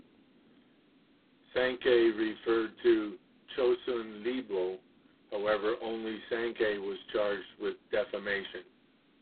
Sankei referred to "Chosun Ilbo", however only Sankei was charged with defamation.